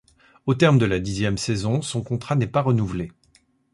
Au terme de la dixième saison, son contrat n'est pas renouvelé.